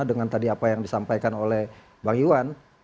dengan tadi apa yang disampaikan oleh bang iwan